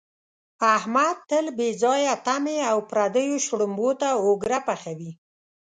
احمد تل بې ځایه تمې او پردیو شړومبو ته اوګره پحوي.